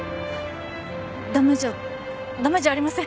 駄目じゃ駄目じゃありません！